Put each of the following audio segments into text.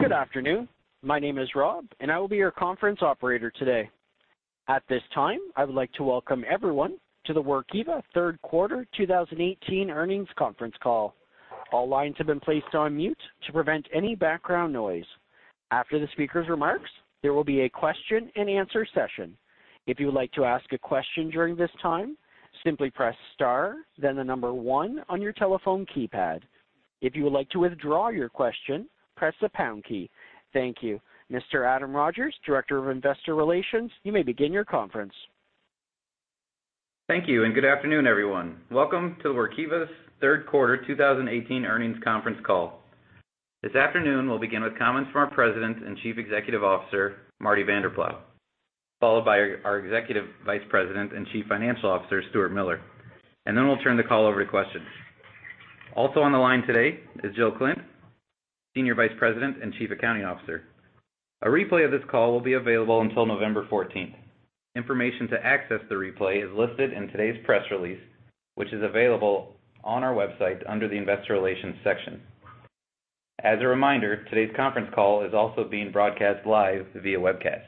Good afternoon. My name is Rob, and I will be your conference operator today. At this time, I would like to welcome everyone to the Workiva third quarter 2018 earnings conference call. All lines have been placed on mute to prevent any background noise. After the speaker's remarks, there will be a question and answer session. If you would like to ask a question during this time, simply press star, then 1 on your telephone keypad. If you would like to withdraw your question, press the pound key. Thank you. Mr. Adam Hotchkiss, Director of Investor Relations, you may begin your conference. Thank you. Good afternoon, everyone. Welcome to Workiva's third quarter 2018 earnings conference call. This afternoon, we'll begin with comments from our President and Chief Executive Officer, Marty Vanderploeg, followed by our Executive Vice President and Chief Financial Officer, Stuart Miller. Then we'll turn the call over to questions. Also on the line today is Jill Klindt, Senior Vice President and Chief Accounting Officer. A replay of this call will be available until November 14th. Information to access the replay is listed in today's press release, which is available on our website under the investor relations section. As a reminder, today's conference call is also being broadcast live via webcast.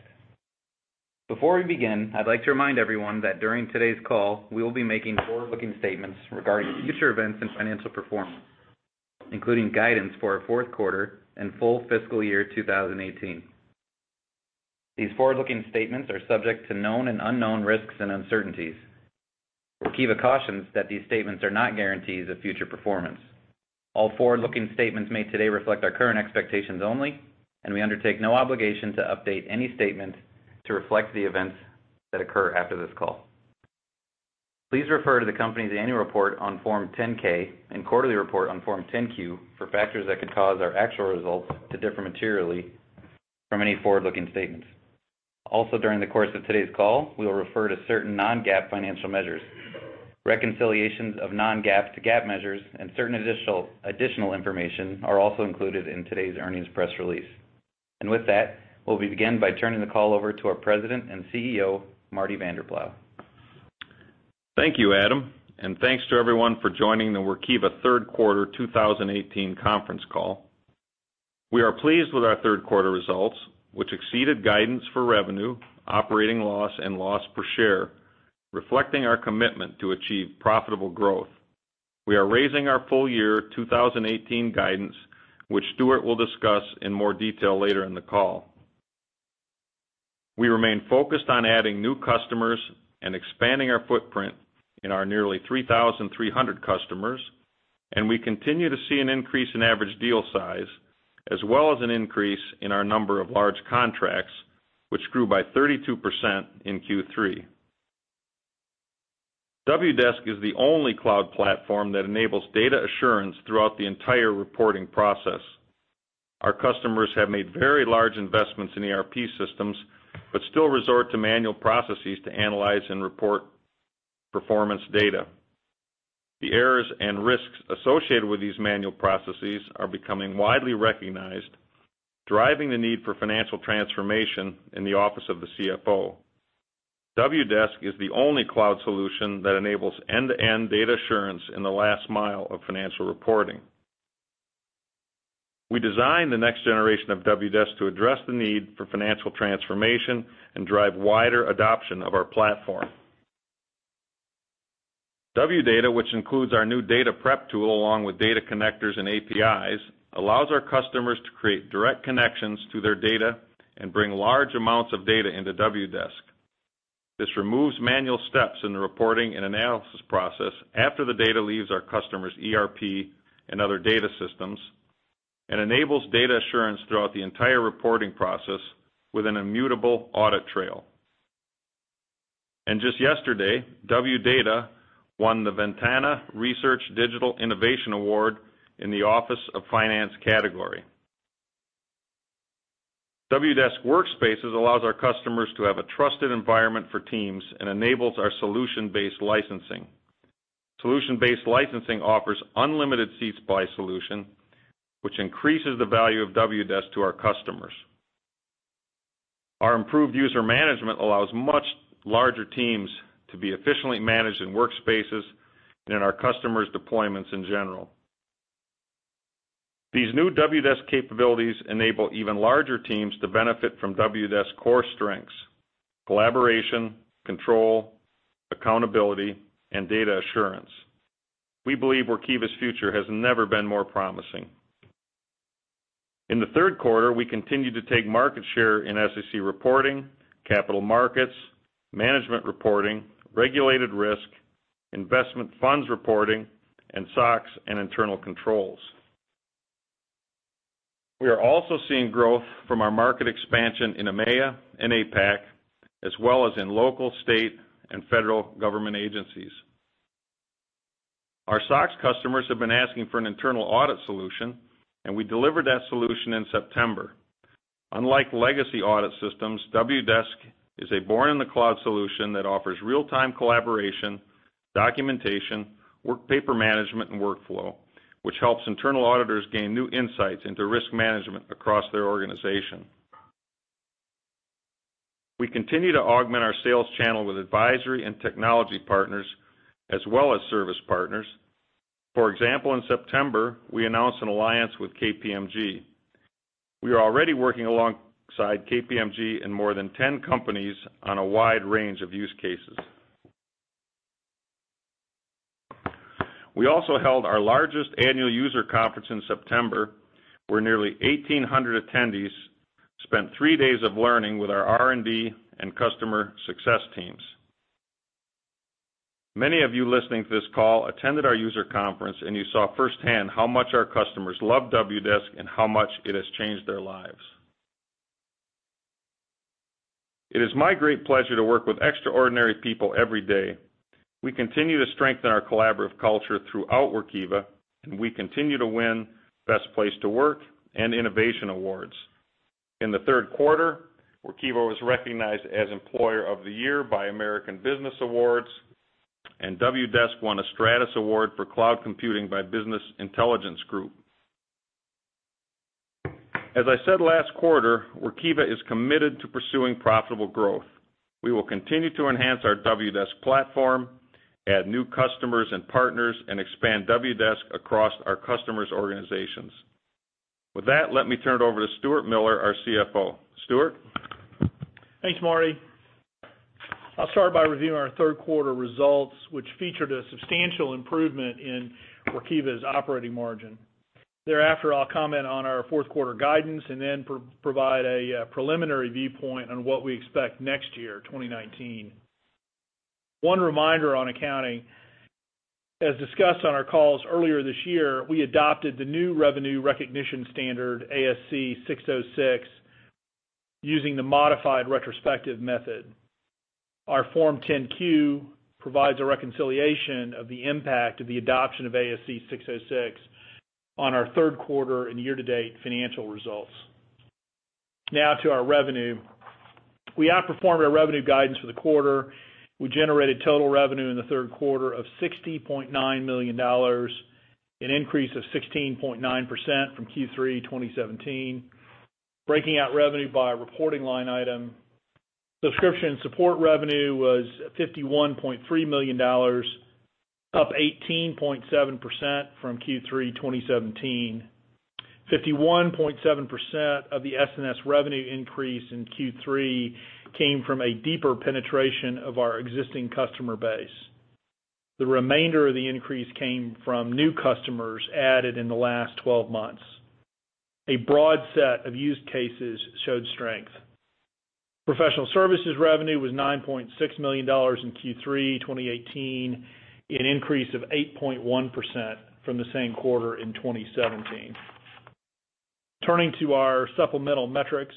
Before we begin, I'd like to remind everyone that during today's call, we will be making forward-looking statements regarding future events and financial performance, including guidance for our fourth quarter and full fiscal year 2018. These forward-looking statements are subject to known and unknown risks and uncertainties. Workiva cautions that these statements are not guarantees of future performance. All forward-looking statements made today reflect our current expectations only, and we undertake no obligation to update any statement to reflect the events that occur after this call. Please refer to the company's annual report on Form 10-K and quarterly report on Form 10-Q for factors that could cause our actual results to differ materially from any forward-looking statements. Also, during the course of today's call, we will refer to certain non-GAAP financial measures. Reconciliations of non-GAAP to GAAP measures and certain additional information are also included in today's earnings press release. With that, we'll begin by turning the call over to our President and CEO, Marty Vanderploeg. Thank you, Adam. Thanks to everyone for joining the Workiva third quarter 2018 conference call. We are pleased with our third quarter results, which exceeded guidance for revenue, operating loss, and loss per share, reflecting our commitment to achieve profitable growth. We are raising our full year 2018 guidance, which Stuart will discuss in more detail later in the call. We remain focused on adding new customers and expanding our footprint in our nearly 3,300 customers. We continue to see an increase in average deal size, as well as an increase in our number of large contracts, which grew by 32% in Q3. Wdesk is the only cloud platform that enables data assurance throughout the entire reporting process. Our customers have made very large investments in ERP systems but still resort to manual processes to analyze and report performance data. The errors and risks associated with these manual processes are becoming widely recognized, driving the need for financial transformation in the office of the CFO. Wdesk is the only cloud solution that enables end-to-end data assurance in the last mile of financial reporting. We designed the next generation of Wdesk to address the need for financial transformation and drive wider adoption of our platform. Wdata, which includes our new data prep tool along with data connectors and APIs, allows our customers to create direct connections to their data and bring large amounts of data into Wdesk. This removes manual steps in the reporting and analysis process after the data leaves our customers' ERP and other data systems and enables data assurance throughout the entire reporting process with an immutable audit trail. Just yesterday, Wdata won the Ventana Research Digital Innovation Award in the Office of Finance category. Wdesk Workspaces allows our customers to have a trusted environment for teams and enables our solution-based licensing. Solution-based licensing offers unlimited seats by solution, which increases the value of Wdesk to our customers. Our improved user management allows much larger teams to be efficiently managed in workspaces and in our customers' deployments in general. These new Wdesk capabilities enable even larger teams to benefit from Wdesk core strengths, collaboration, control, accountability, and data assurance. We believe Workiva's future has never been more promising. In the third quarter, we continued to take market share in SEC reporting, capital markets, management reporting, regulated risk, investment funds reporting, and SOX and internal controls. We are also seeing growth from our market expansion in EMEA and APAC, as well as in local, state, and federal government agencies. Our SOX customers have been asking for an internal audit solution. We delivered that solution in September. Unlike legacy audit systems, Wdesk is a born in the cloud solution that offers real-time collaboration, documentation, work paper management, and workflow, which helps internal auditors gain new insights into risk management across their organization. We continue to augment our sales channel with advisory and technology partners as well as service partners. For example, in September, we announced an alliance with KPMG. We are already working alongside KPMG in more than 10 companies on a wide range of use cases. We also held our largest annual user conference in September, where nearly 1,800 attendees spent three days of learning with our R&D and customer success teams. Many of you listening to this call attended our user conference, and you saw firsthand how much our customers love Wdesk and how much it has changed their lives. It is my great pleasure to work with extraordinary people every day. We continue to strengthen our collaborative culture throughout Workiva, and we continue to win Best Place to Work and Innovation awards. In the third quarter, Workiva was recognized as Employer of the Year by American Business Awards, and Wdesk won a Stratus Award for Cloud Computing by Business Intelligence Group. As I said last quarter, Workiva is committed to pursuing profitable growth. We will continue to enhance our Wdesk platform, add new customers and partners, and expand Wdesk across our customers' organizations. With that, let me turn it over to Stuart Miller, our CFO. Stuart? Thanks, Marty. I'll start by reviewing our third quarter results, which featured a substantial improvement in Workiva's operating margin. Thereafter, I'll comment on our fourth quarter guidance and then provide a preliminary viewpoint on what we expect next year, 2019. One reminder on accounting, as discussed on our calls earlier this year, we adopted the new revenue recognition standard, ASC 606, using the modified retrospective method. Our Form 10-Q provides a reconciliation of the impact of the adoption of ASC 606 on our third quarter and year-to-date financial results. Now to our revenue. We outperformed our revenue guidance for the quarter. We generated total revenue in the third quarter of $60.9 million, an increase of 16.9% from Q3 2017. Breaking out revenue by reporting line item, subscription and support revenue was $51.3 million, up 18.7% from Q3 2017. 51.7% of the SNS revenue increase in Q3 came from a deeper penetration of our existing customer base. The remainder of the increase came from new customers added in the last 12 months. A broad set of use cases showed strength. Professional services revenue was $9.6 million in Q3 2018, an increase of 8.1% from the same quarter in 2017. Turning to our supplemental metrics.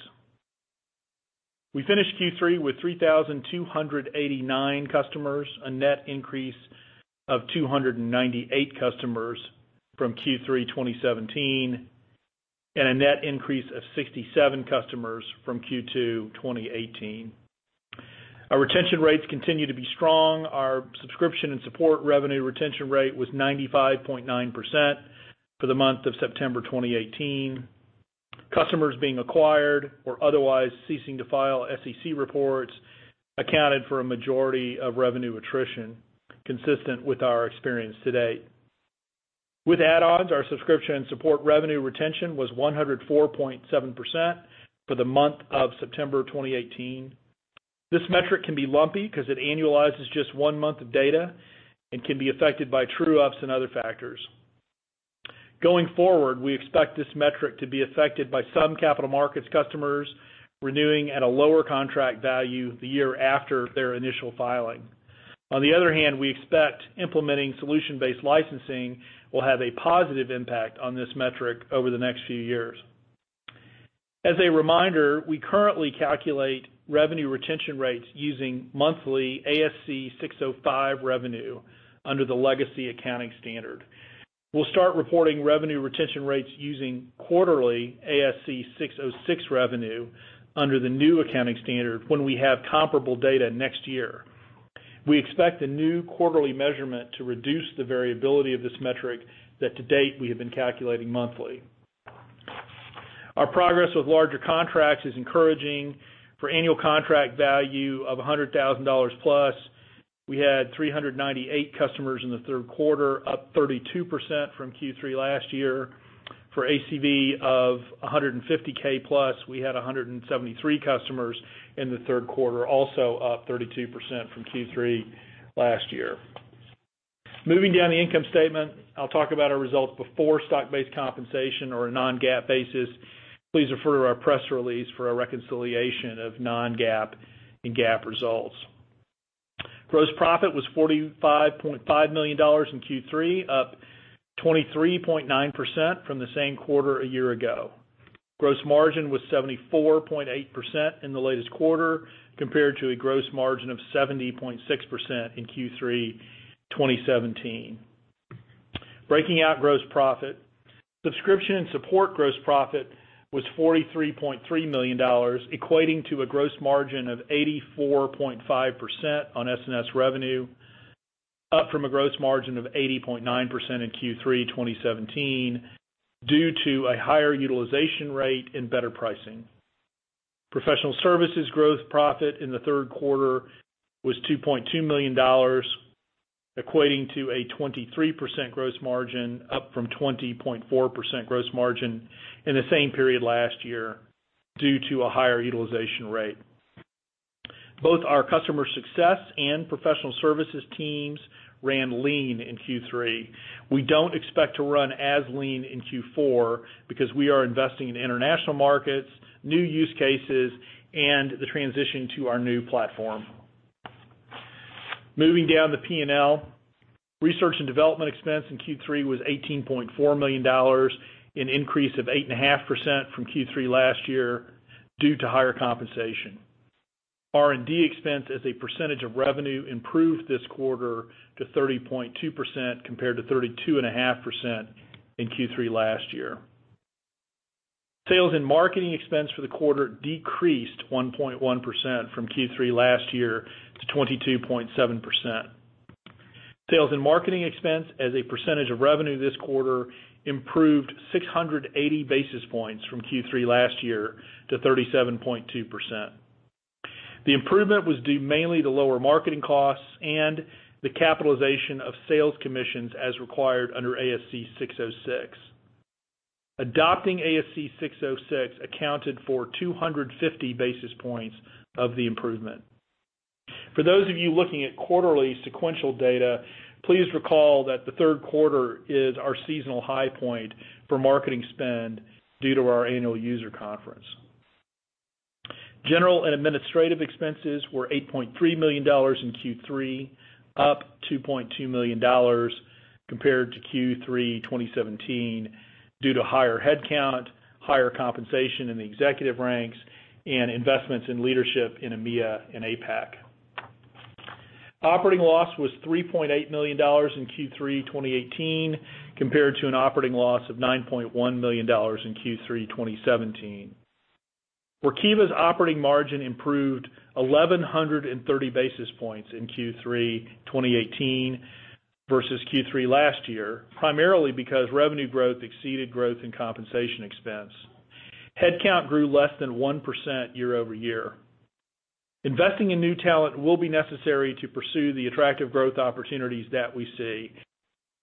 We finished Q3 with 3,289 customers, a net increase of 298 customers from Q3 2017, and a net increase of 67 customers from Q2 2018. Our retention rates continue to be strong. Our subscription and support revenue retention rate was 95.9% for the month of September 2018. Customers being acquired or otherwise ceasing to file SEC reports accounted for a majority of revenue attrition, consistent with our experience to date. With add-ons, our subscription and support revenue retention was 104.7% for the month of September 2018. This metric can be lumpy because it annualizes just one month of data and can be affected by true-ups and other factors. Going forward, we expect this metric to be affected by some capital markets customers renewing at a lower contract value the year after their initial filing. On the other hand, we expect implementing solution-based licensing will have a positive impact on this metric over the next few years. As a reminder, we currently calculate revenue retention rates using monthly ASC 605 revenue under the legacy accounting standard. We'll start reporting revenue retention rates using quarterly ASC 606 revenue under the new accounting standard when we have comparable data next year. We expect the new quarterly measurement to reduce the variability of this metric that to date we have been calculating monthly. Our progress with larger contracts is encouraging. For annual contract value of $100,000-plus, we had 398 customers in the third quarter, up 32% from Q3 last year. For ACV of $150K-plus, we had 173 customers in the third quarter, also up 32% from Q3 last year. Moving down the income statement, I'll talk about our results before stock-based compensation or a non-GAAP basis. Please refer to our press release for a reconciliation of non-GAAP and GAAP results. Gross profit was $45.5 million in Q3, up 23.9% from the same quarter a year ago. Gross margin was 74.8% in the latest quarter, compared to a gross margin of 70.6% in Q3 2017. Breaking out gross profit, subscription and support gross profit was $43.3 million, equating to a gross margin of 84.5% on SNS revenue. Up from a gross margin of 80.9% in Q3 2017, due to a higher utilization rate and better pricing. Professional services gross profit in the third quarter was $2.2 million, equating to a 23% gross margin, up from 20.4% gross margin in the same period last year, due to a higher utilization rate. Both our customer success and professional services teams ran lean in Q3. We don't expect to run as lean in Q4 because we are investing in international markets, new use cases, and the transition to our new platform. Moving down the P&L. Research and development expense in Q3 was $18.4 million, an increase of 8.5% from Q3 last year due to higher compensation. R&D expense as a percentage of revenue improved this quarter to 30.2% compared to 32.5% in Q3 last year. Sales and marketing expense for the quarter decreased 1.1% from Q3 last year to 22.7%. Sales and marketing expense as a percentage of revenue this quarter improved 680 basis points from Q3 last year to 37.2%. The improvement was due mainly to lower marketing costs and the capitalization of sales commissions as required under ASC 606. Adopting ASC 606 accounted for 250 basis points of the improvement. For those of you looking at quarterly sequential data, please recall that the third quarter is our seasonal high point for marketing spend due to our annual user conference. General and administrative expenses were $8.3 million in Q3, up $2.2 million compared to Q3 2017 due to higher headcount, higher compensation in the executive ranks, and investments in leadership in EMEA and APAC. Operating loss was $3.8 million in Q3 2018 compared to an operating loss of $9.1 million in Q3 2017. Workiva's operating margin improved 1,130 basis points in Q3 2018 versus Q3 last year, primarily because revenue growth exceeded growth in compensation expense. Headcount grew less than 1% year-over-year.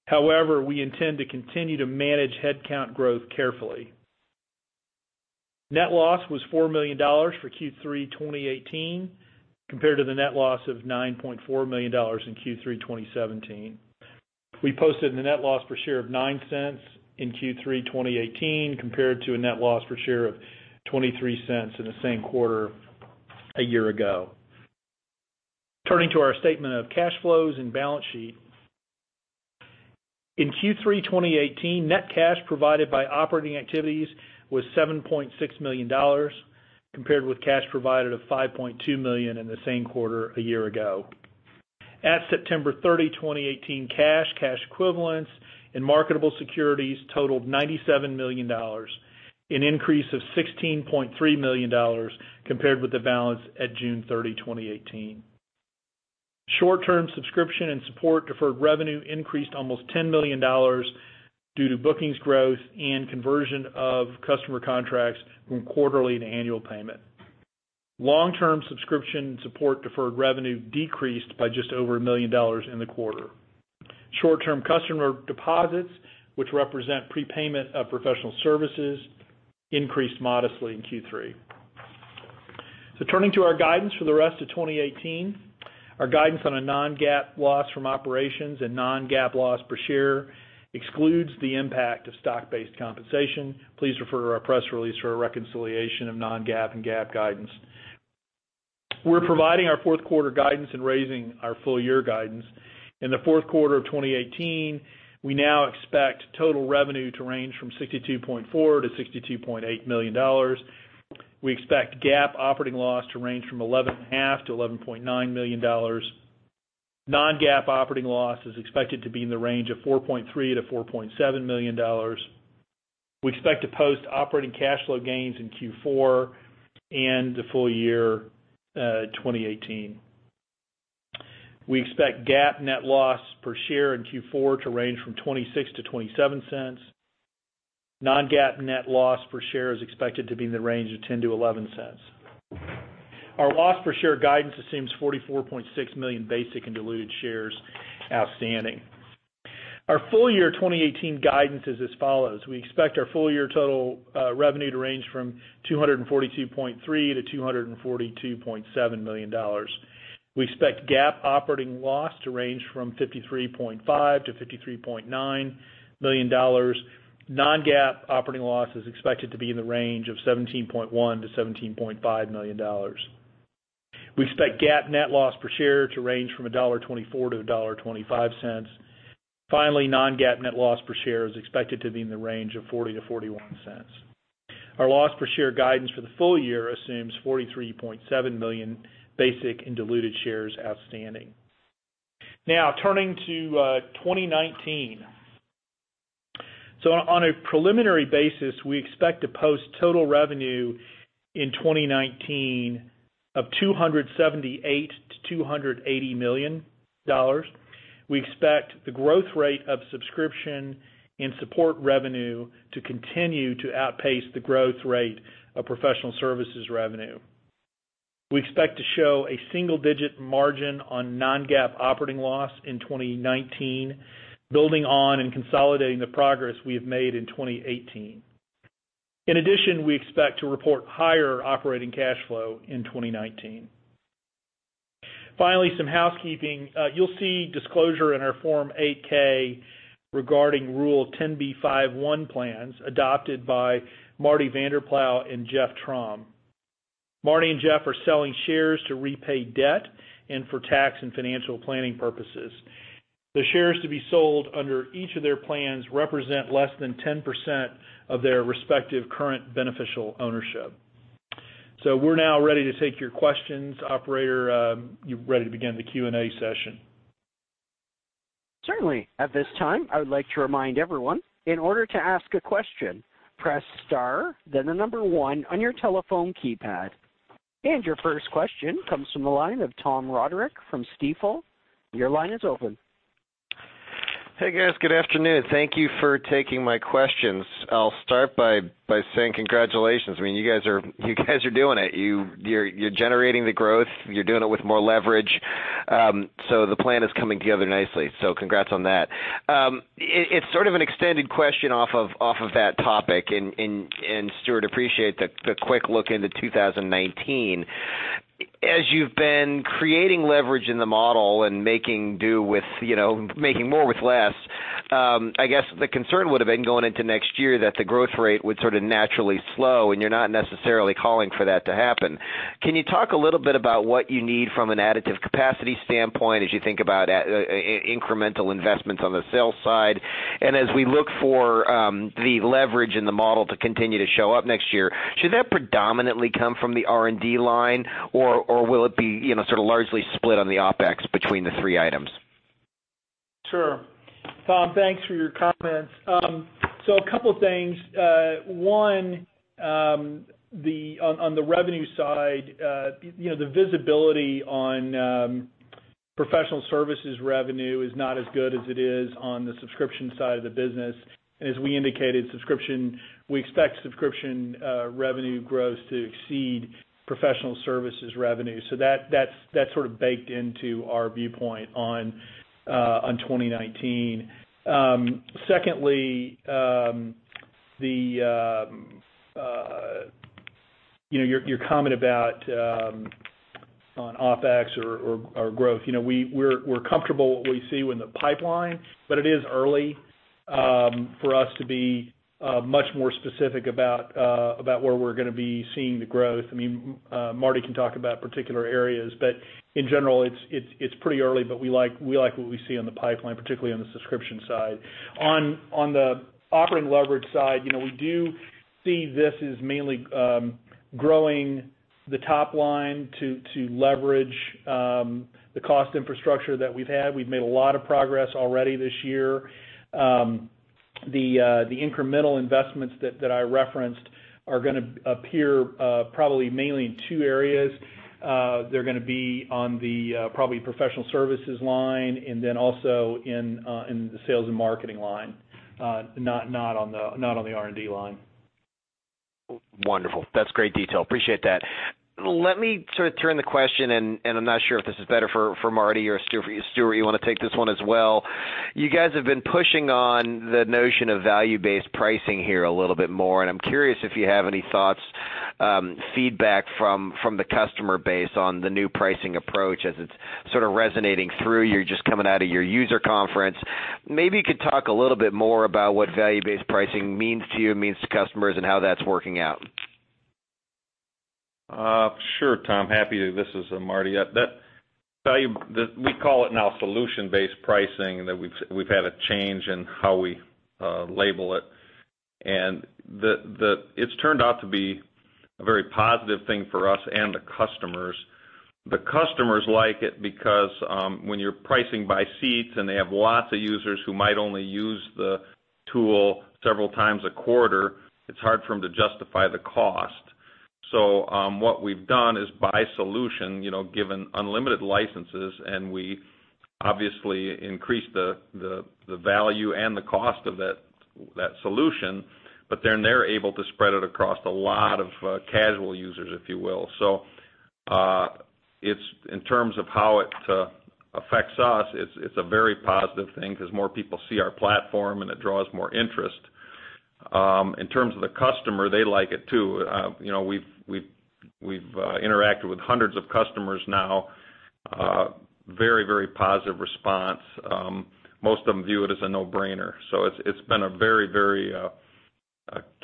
However, we intend to continue to manage headcount growth carefully. Net loss was $4 million for Q3 2018 compared to the net loss of $9.4 million in Q3 2017. We posted a net loss per share of $0.09 in Q3 2018 compared to a net loss per share of $0.23 in the same quarter a year ago. Turning to our statement of cash flows and balance sheet. In Q3 2018, net cash provided by operating activities was $7.6 million, compared with cash provided of $5.2 million in the same quarter a year ago. At September 30, 2018, cash equivalents, and marketable securities totaled $97 million, an increase of $16.3 million compared with the balance at June 30, 2018. Short-term subscription and support deferred revenue increased almost $10 million due to bookings growth and conversion of customer contracts from quarterly to annual payment. Long-term subscription support deferred revenue decreased by just over $1 million in the quarter. Short-term customer deposits, which represent prepayment of professional services, increased modestly in Q3. Turning to our guidance for the rest of 2018. Our guidance on a non-GAAP loss from operations and non-GAAP loss per share excludes the impact of stock-based compensation. Please refer to our press release for a reconciliation of non-GAAP and GAAP guidance. We're providing our fourth quarter guidance and raising our full-year guidance. In the fourth quarter of 2018, we now expect total revenue to range from $62.4 million-$62.8 million. We expect GAAP operating loss to range from $11.5 million-$11.9 million. Non-GAAP operating loss is expected to be in the range of $4.3 million-$4.7 million. We expect to post operating cash flow gains in Q4 and the full year 2018. We expect GAAP net loss per share in Q4 to range from $0.26-$0.27. Non-GAAP net loss per share is expected to be in the range of $0.10-$0.11. Our loss per share guidance assumes 44.6 million basic and diluted shares outstanding. Our full year 2018 guidance is as follows. We expect our full-year total revenue to range from $242.3 million-$242.7 million. We expect GAAP operating loss to range from $53.5 million-$53.9 million. Non-GAAP operating loss is expected to be in the range of $17.1 million-$17.5 million. We expect GAAP net loss per share to range from $1.24-$1.25. Finally, non-GAAP net loss per share is expected to be in the range of $0.40-$0.41. Our loss per share guidance for the full year assumes 43.7 million basic and diluted shares outstanding. Now, turning to 2019. On a preliminary basis, we expect to post total revenue in 2019 of $278 million-$280 million. We expect the growth rate of subscription and support revenue to continue to outpace the growth rate of professional services revenue. We expect to show a single-digit margin on non-GAAP operating loss in 2019, building on and consolidating the progress we have made in 2018. In addition, we expect to report higher operating cash flow in 2019. Finally, some housekeeping. You'll see disclosure in our Form 8-K regarding Rule 10b5-1 plans adopted by Marty Vanderploeg and Jeffrey Tromp. Marty and Jeff are selling shares to repay debt and for tax and financial planning purposes. The shares to be sold under each of their plans represent less than 10% of their respective current beneficial ownership. We're now ready to take your questions. Operator, you ready to begin the Q&A session? Certainly. At this time, I would like to remind everyone, in order to ask a question, press star, then the number one on your telephone keypad. Your first question comes from the line of Thomas Roderick from Stifel. Your line is open. Hey, guys. Good afternoon. Thank you for taking my questions. I'll start by saying congratulations. You guys are doing it. You're generating the growth. You're doing it with more leverage. The plan is coming together nicely, so congrats on that. It's sort of an extended question off of that topic. Stuart, appreciate the quick look into 2019. As you've been creating leverage in the model and making more with less, I guess the concern would've been going into next year that the growth rate would sort of naturally slow. You're not necessarily calling for that to happen. Can you talk a little bit about what you need from an additive capacity standpoint as you think about incremental investments on the sales side? As we look for the leverage in the model to continue to show up next year, should that predominantly come from the R&D line, or will it be largely split on the OpEx between the three items? Sure. Tom, thanks for your comments. A couple things. One, on the revenue side, the visibility on professional services revenue is not as good as it is on the subscription side of the business. As we indicated, we expect subscription revenue growth to exceed professional services revenue. That's sort of baked into our viewpoint on 2019. Secondly, your comment about on OpEx or growth. We're comfortable what we see in the pipeline, but it is early for us to be much more specific about where we're gonna be seeing the growth. Marty can talk about particular areas, but in general, it's pretty early, but we like what we see on the pipeline, particularly on the subscription side. On the operating leverage side, we do see this as mainly growing the top line to leverage the cost infrastructure that we've had. We've made a lot of progress already this year. The incremental investments that I referenced are gonna appear probably mainly in two areas. They're gonna be on the probably professional services line and then also in the sales and marketing line. Not on the R&D line. Wonderful. That is great detail. Appreciate that. Let me sort of turn the question. I'm not sure if this is better for Marty or Stuart. Stuart, you wanna take this one as well? You guys have been pushing on the notion of value-based pricing here a little bit more. I'm curious if you have any thoughts, feedback from the customer base on the new pricing approach as it's sort of resonating through. You're just coming out of your user conference. Maybe you could talk a little bit more about what value-based pricing means to you, means to customers, and how that's working out. Sure, Tom, happy to. This is Marty. We call it now solution-based pricing. That we've had a change in how we label it. It's turned out to be a very positive thing for us and the customers. The customers like it because when you're pricing by seats, they have lots of users who might only use the tool several times a quarter, it's hard for them to justify the cost. What we've done is by solution, given unlimited licenses. We obviously increase the value and the cost of that solution, then they're able to spread it across a lot of casual users, if you will. In terms of how it affects us, it's a very positive thing because more people see our platform. It draws more interest. In terms of the customer, they like it too. We've interacted with hundreds of customers now. Very positive response. Most of them view it as a no-brainer. It's been a very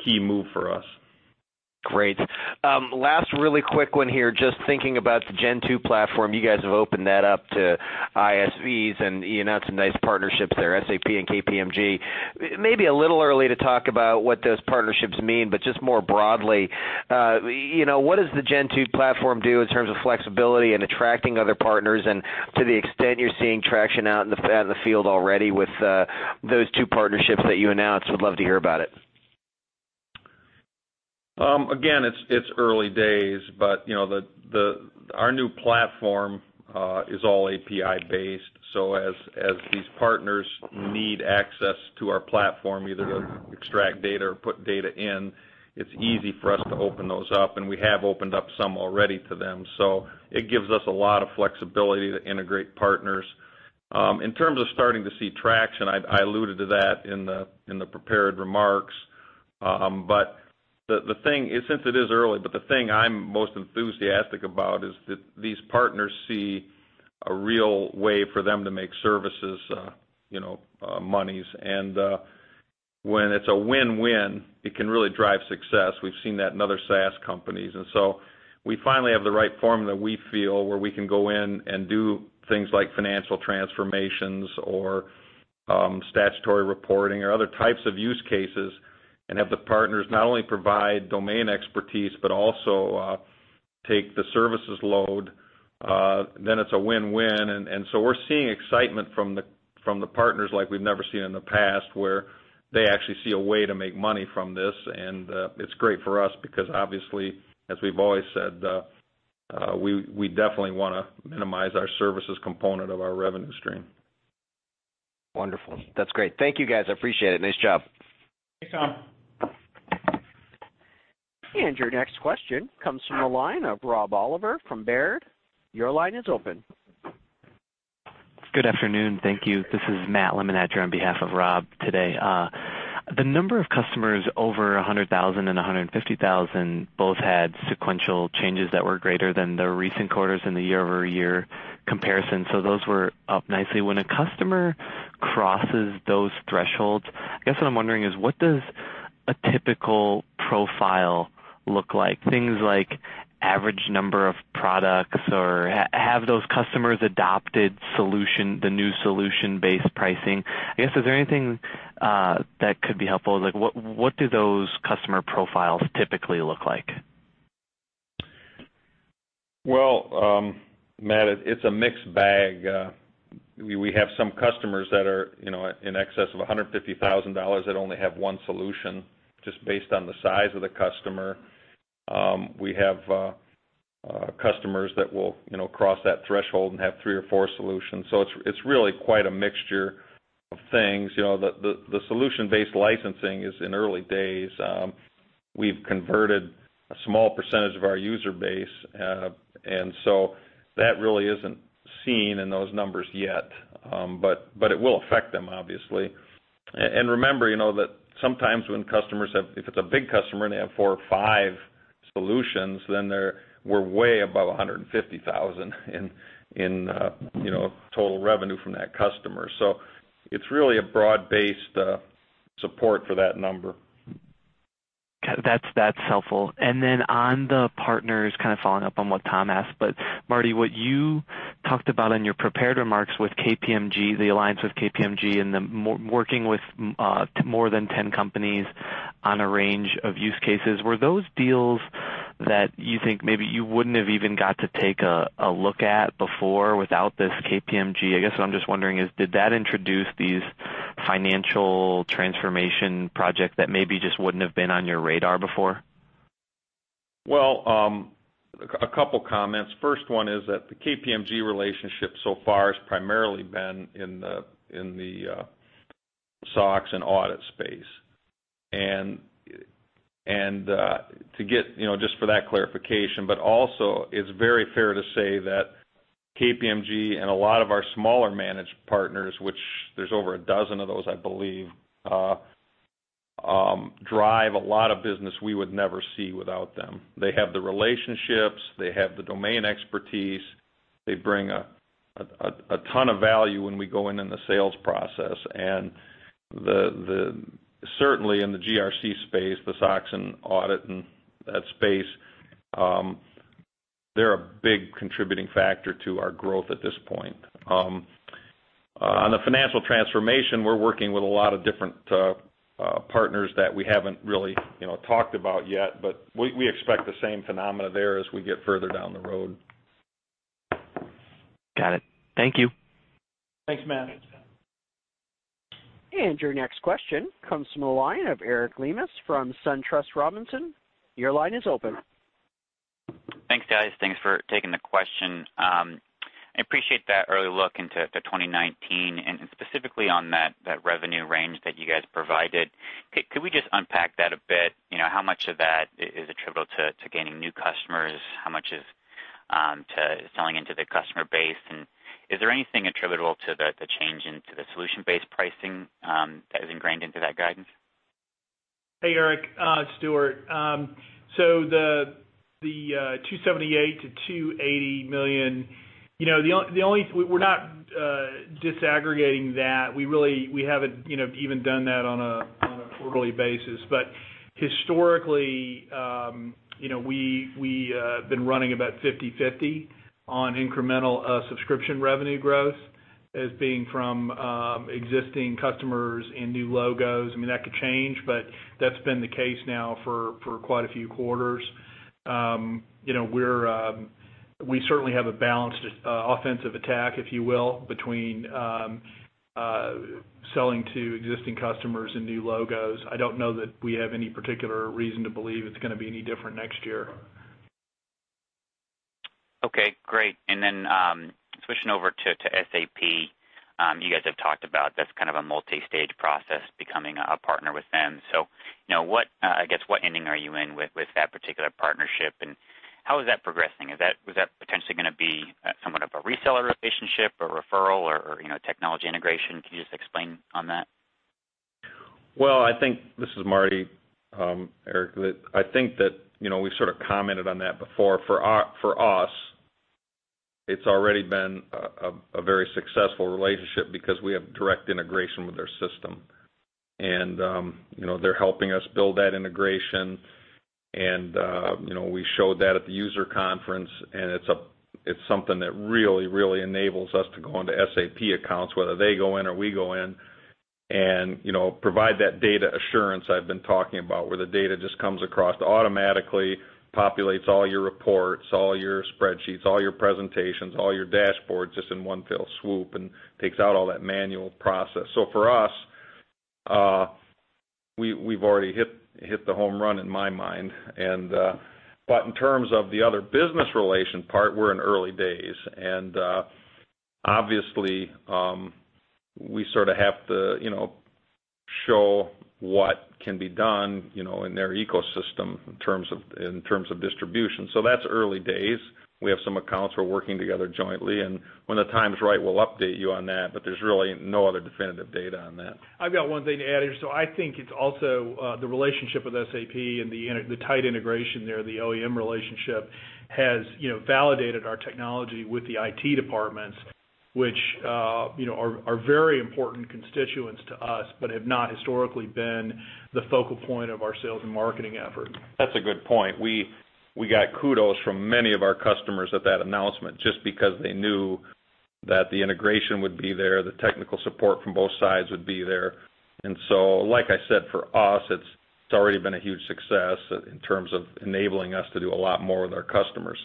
key move for us. Great. Last really quick one here. Just thinking about the Gen 2 platform. You guys have opened that up to ISVs. You announced some nice partnerships there, SAP and KPMG. Maybe a little early to talk about what those partnerships mean, just more broadly, what does the Gen 2 platform do in terms of flexibility and attracting other partners? To the extent you're seeing traction out in the field already with those two partnerships that you announced, would love to hear about it. Again, it's early days, but our new platform is all API based, so as these partners need access to our platform, either to extract data or put data in, it's easy for us to open those up, and we have opened up some already to them. It gives us a lot of flexibility to integrate partners. In terms of starting to see traction, I alluded to that in the prepared remarks. Since it is early, but the thing I'm most enthusiastic about is that these partners see a real way for them to make services monies. When it's a win-win, it can really drive success. We've seen that in other SaaS companies. We finally have the right formula, we feel, where we can go in and do things like financial transformations or statutory reporting or other types of use cases and have the partners not only provide domain expertise, but also take the services load, then it's a win-win. We're seeing excitement from the partners like we've never seen in the past, where they actually see a way to make money from this. It's great for us because obviously, as we've always said, we definitely want to minimize our services component of our revenue stream. Wonderful. That's great. Thank you, guys. I appreciate it. Nice job. Thanks, Tom. Your next question comes from the line of Rob Oliver from Baird. Your line is open. Good afternoon. Thank you. This is Matt Limonati on behalf of Rob today. The number of customers over 100,000 and 150,000 both had sequential changes that were greater than the recent quarters in the year-over-year comparison. Those were up nicely. When a customer crosses those thresholds, I guess what I'm wondering is, what does a typical profile look like? Things like average number of products, or have those customers adopted the new solution-based pricing? I guess, is there anything that could be helpful? What do those customer profiles typically look like? Well, Matt, it's a mixed bag. We have some customers that are in excess of $150,000 that only have one solution, just based on the size of the customer. We have customers that will cross that threshold and have three or four solutions. It's really quite a mixture of things. The solution-based licensing is in the early days. We've converted a small percentage of our user base, and so that really isn't seen in those numbers yet. It will affect them, obviously. Remember, that sometimes when customers if it's a big customer and they have four or five solutions, then we're way above $150,000 in total revenue from that customer. It's really a broad-based support for that number. That's helpful. Then on the partners, kind of following up on what Tom asked, but Marty, what you talked about in your prepared remarks with KPMG, the alliance with KPMG, and then working with more than 10 companies on a range of use cases. Were those deals that you think maybe you wouldn't have even got to take a look at before without this KPMG? I guess what I'm just wondering is, did that introduce these financial transformation projects that maybe just wouldn't have been on your radar before? A couple comments. First one is that the KPMG relationship so far has primarily been in the SOX and audit space. To get just for that clarification, but also it's very fair to say that KPMG and a lot of our smaller managed partners, which there's over a dozen of those, I believe, drive a lot of business we would never see without them. They have the relationships. They have the domain expertise. They bring a ton of value when we go in in the sales process. Certainly in the GRC space, the SOX and audit and that space, they're a big contributing factor to our growth at this point. On the financial transformation, we're working with a lot of different partners that we haven't really talked about yet, but we expect the same phenomena there as we get further down the road. Got it. Thank you. Thanks, Matt. Your next question comes from the line of Eric Lemus from SunTrust Robinson. Your line is open. Thanks, guys. Thanks for taking the question. I appreciate that early look into 2019, specifically on that revenue range that you guys provided. Could we just unpack that a bit? How much of that is attributable to gaining new customers? How much is to selling into the customer base? Is there anything attributable to the change into the solution-based pricing that is ingrained into that guidance? Hey, Eric. Stuart. The $278 million-$280 million, we're not disaggregating that. We haven't even done that on a quarterly basis. Historically, we have been running about 50/50 on incremental subscription revenue growth as being from existing customers and new logos. That could change, but that's been the case now for quite a few quarters. We certainly have a balanced offensive attack, if you will, between selling to existing customers and new logos. I don't know that we have any particular reason to believe it's going to be any different next year. Okay, great. Then, switching over to SAP. You guys have talked about this kind of a multi-stage process, becoming a partner with them. I guess, what ending are you in with that particular partnership, and how is that progressing? Is that potentially going to be somewhat of a reseller relationship or referral or technology integration? Can you just explain on that? Well, this is Marty, Eric. I think that we've sort of commented on that before. For us, it's already been a very successful relationship because we have direct integration with their system. They're helping us build that integration and we showed that at the user conference, it's something that really enables us to go into SAP accounts, whether they go in or we go in, provide that data assurance I've been talking about, where the data just comes across, automatically populates all your reports, all your spreadsheets, all your presentations, all your dashboards, just in one fell swoop, takes out all that manual process. For us, we've already hit the home run in my mind. But in terms of the other business relation part, we're in early days. Obviously, we sort of have to show what can be done in their ecosystem in terms of distribution. That's early days. We have some accounts we're working together jointly, and when the time is right, we'll update you on that. There's really no other definitive data on that. I've got one thing to add here. I think it's also the relationship with SAP and the tight integration there, the OEM relationship, has validated our technology with the IT departments, which are very important constituents to us, but have not historically been the focal point of our sales and marketing effort. That's a good point. We got kudos from many of our customers at that announcement just because they knew that the integration would be there, the technical support from both sides would be there. Like I said, for us, it's already been a huge success in terms of enabling us to do a lot more with our customers.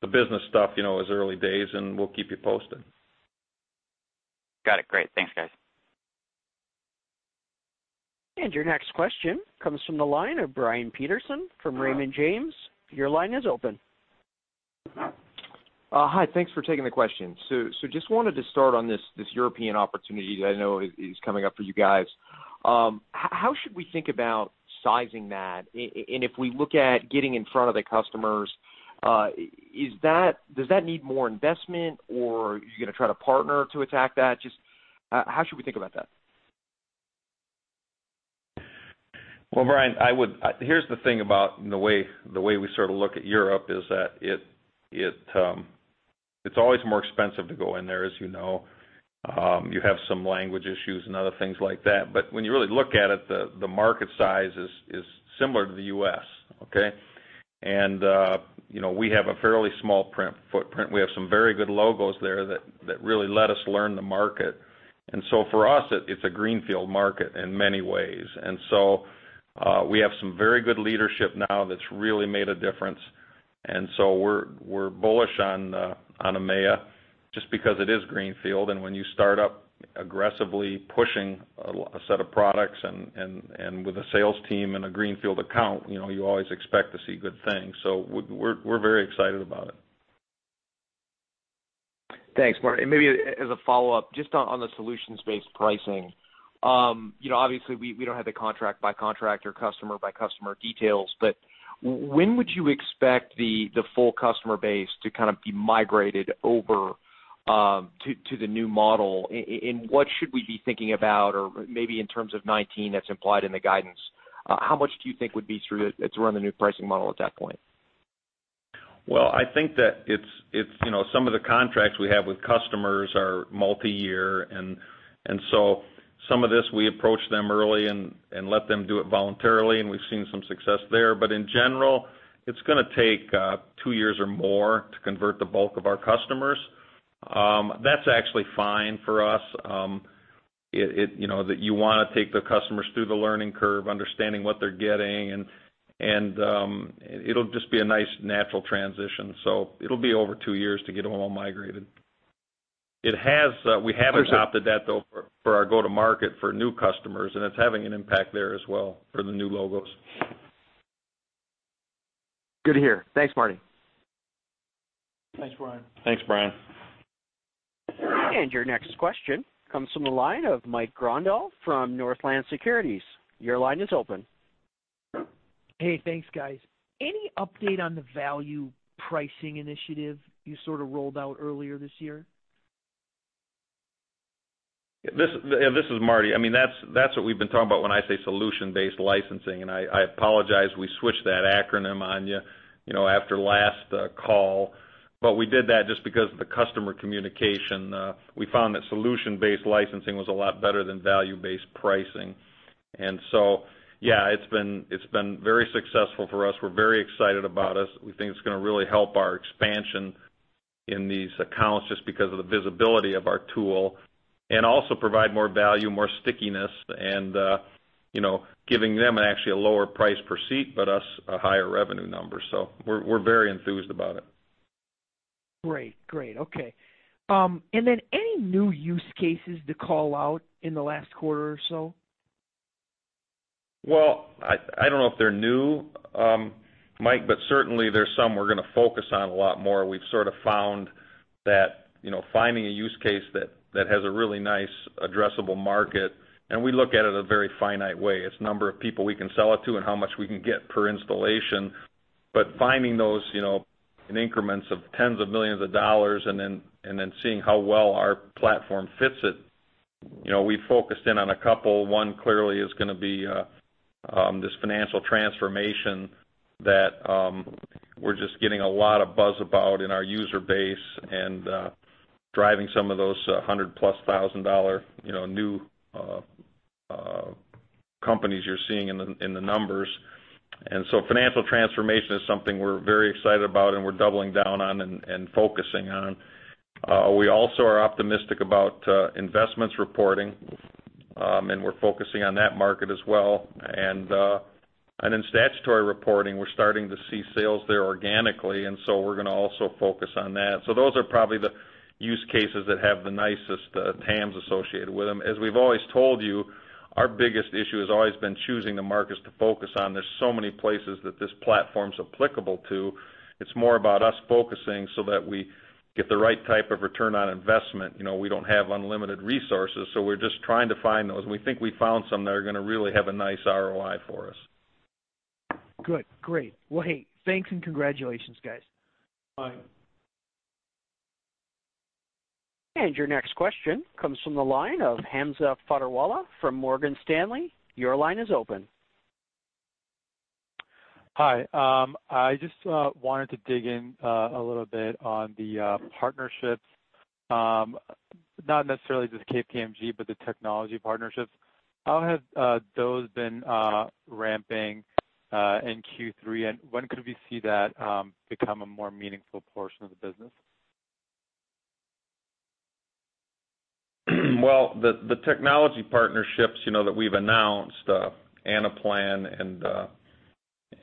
The business stuff is early days, and we'll keep you posted. Got it. Great. Thanks, guys. Your next question comes from the line of Brian Peterson from Raymond James. Your line is open. Hi. Thanks for taking the question. Just wanted to start on this European opportunity that I know is coming up for you guys. How should we think about sizing that? If we look at getting in front of the customers, does that need more investment or are you going to try to partner to attack that? Just how should we think about that? Well, Brian, here's the thing about the way we sort of look at Europe, is that it's always more expensive to go in there, as you know. You have some language issues and other things like that. When you really look at it, the market size is similar to the U.S., okay? We have a fairly small footprint. We have some very good logos there that really let us learn the market. For us, it's a greenfield market in many ways. We have some very good leadership now that's really made a difference. We're bullish on EMEA just because it is greenfield, and when you start up aggressively pushing a set of products and with a sales team and a greenfield account, you always expect to see good things. We're very excited about it. Thanks, Marty. Maybe as a follow-up, just on the solutions-based pricing. Obviously, we don't have the contract-by-contract or customer-by-customer details, when would you expect the full customer base to kind of be migrated over to the new model? What should we be thinking about, or maybe in terms of 2019 that's implied in the guidance, how much do you think would be through the new pricing model at that point? I think that some of the contracts we have with customers are multi-year. Some of this, we approach them early and let them do it voluntarily, and we've seen some success there. In general, it's going to take two years or more to convert the bulk of our customers. That's actually fine for us. You want to take the customers through the learning curve, understanding what they're getting, and it'll just be a nice natural transition. It'll be over two years to get them all migrated. We have adopted that, though, for our go-to-market for new customers, and it's having an impact there as well for the new logos. Good to hear. Thanks, Marty. Thanks, Brian. Thanks, Brian. Your next question comes from the line of Mike Grondahl from Northland Securities. Your line is open. Hey, thanks, guys. Any update on the Value Pricing Initiative you sort of rolled out earlier this year? This is Marty. That's what we've been talking about when I say Solution-Based Licensing. I apologize, we switched that acronym on you after last call. We did that just because of the customer communication. We found that Solution-Based Licensing was a lot better than Value-Based Pricing. Yeah, it's been very successful for us. We're very excited about it. We think it's going to really help our expansion in these accounts just because of the visibility of our tool. Also provide more value, more stickiness, and giving them actually a lower price per seat, but us a higher revenue number. We're very enthused about it. Great. Okay. Any new use cases to call out in the last quarter or so? Well, I don't know if they're new, Mike, but certainly there's some we're going to focus on a lot more. We've sort of found that finding a use case that has a really nice addressable market, and we look at it a very finite way. It's number of people we can sell it to and how much we can get per installation. Finding those in increments of tens of millions of dollars and then seeing how well our platform fits it. We focused in on a couple. One clearly is going to be this financial transformation that we're just getting a lot of buzz about in our user base and driving some of those $100-plus thousand dollar new companies you're seeing in the numbers. Financial transformation is something we're very excited about and we're doubling down on and focusing on. We also are optimistic about investments reporting, and we're focusing on that market as well. In statutory reporting, we're starting to see sales there organically, and so we're going to also focus on that. Those are probably the use cases that have the nicest TAMs associated with them. As we've always told you, our biggest issue has always been choosing the markets to focus on. There's so many places that this platform's applicable to. It's more about us focusing so that we get the right type of return on investment. We don't have unlimited resources, so we're just trying to find those, and we think we found some that are going to really have a nice ROI for us. Good. Great. Well, hey, thanks and congratulations, guys. Bye. Your next question comes from the line of Hamza Fodderwala from Morgan Stanley. Your line is open. Hi. I just wanted to dig in a little bit on the partnerships, not necessarily just KPMG, but the technology partnerships. How have those been ramping in Q3, when could we see that become a more meaningful portion of the business? The technology partnerships that we've announced, Anaplan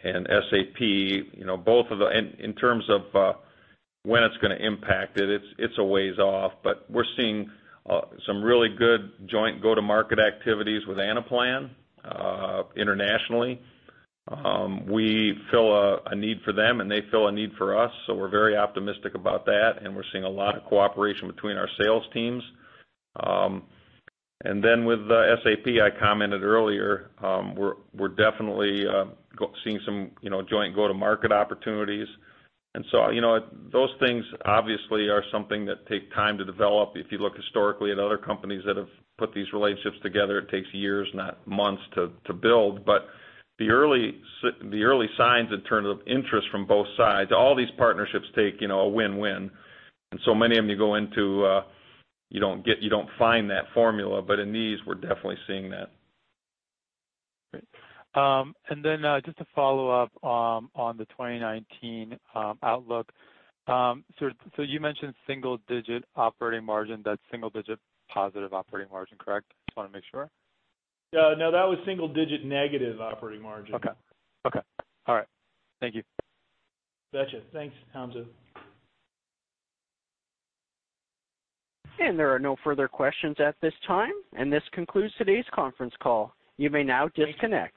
and SAP, both of them, in terms of when it's going to impact it's a ways off. We're seeing some really good joint go-to-market activities with Anaplan internationally. We fill a need for them, and they fill a need for us. We're very optimistic about that, and we're seeing a lot of cooperation between our sales teams. Then with SAP, I commented earlier, we're definitely seeing some joint go-to-market opportunities. Those things obviously are something that take time to develop. If you look historically at other companies that have put these relationships together, it takes years, not months to build. The early signs in terms of interest from both sides, all these partnerships take a win-win. So many of them you go into, you don't find that formula. In these, we're definitely seeing that. Great. Then just to follow up on the 2019 outlook. You mentioned single digit operating margin. That's single digit positive operating margin, correct? Just want to make sure. No, that was single digit negative operating margin. Okay. All right. Thank you. Got you. Thanks, Hamza. There are no further questions at this time, and this concludes today's conference call. You may now disconnect.